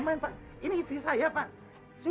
mas lumpan ini rumah siapa bu